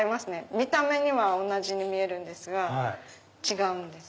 見た目には同じに見えるんですが違うんです。